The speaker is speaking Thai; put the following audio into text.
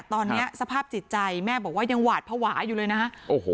ตอนนี้สภาพจิตใจแม่บอกว่ายังหวาดภาวะอยู่เลยนะฮะโอ้โห